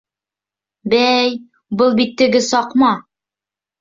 Бәй... был бит теге саҡма!